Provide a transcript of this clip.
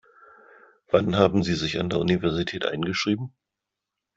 Wann haben Sie sich an der Universität eingeschrieben?